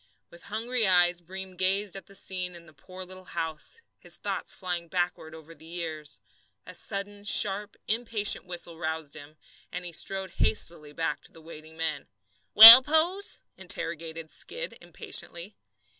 With hungry eyes Breem gazed at the scene in the poor little house, his thoughts flying backward over the years. A sudden sharp, impatient whistle roused him, and he strode hastily back to the waiting men. "Well, Pose?" interrogated Skid impatiently.